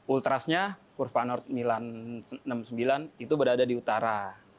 ultrasnya kurvanort sembilan ratus enam puluh sembilan itu berada di utara